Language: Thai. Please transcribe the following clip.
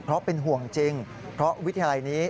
เพราะเป็นห่วงจริงเพราะวิทยาลัยนี้